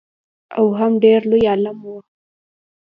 او هم ډېر لوی عالم و.